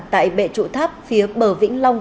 tại bệ trụ tháp phía bờ vĩnh long